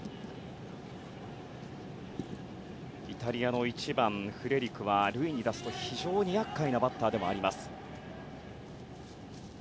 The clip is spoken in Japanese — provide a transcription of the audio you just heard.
イタリアの１番フレリクは塁に出すと非常に厄介なバッターでもあります。